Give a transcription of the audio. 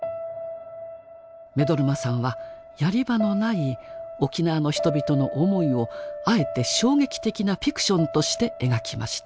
目取真さんはやり場のない沖縄の人々の思いをあえて衝撃的なフィクションとして描きました。